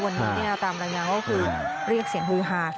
วันนี้ตามรายงานก็คือเรียกเสียงฮือฮา